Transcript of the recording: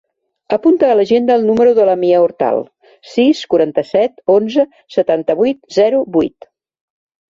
Apunta a l'agenda el número de la Mia Hortal: sis, quaranta-set, onze, setanta-vuit, zero, vuit.